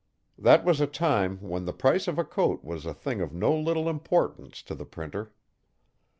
That was a time when the price of a coat was a thing of no little importance to the Printer.